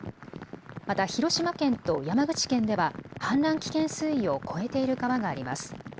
また広島県と山口県では氾濫危険水位を超えている川があります。